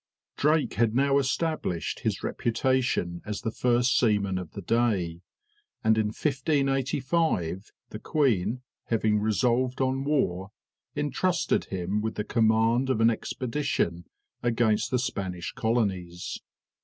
] Drake had now established his reputation as the first seaman of the day; and in 1585 the queen, having resolved on war, intrusted him with the command of an expedition against the Spanish colonies.